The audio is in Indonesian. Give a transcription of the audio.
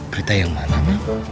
berita yang mana kum